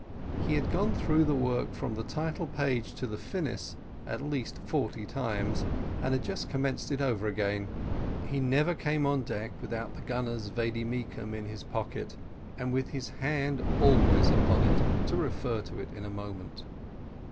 He had gone through the work from the title page to the finis at least forty times, and had just commenced it over again. He never came on deck without the gunner's vade mecum in his pocket, with his hand always upon it to refer to it in a moment.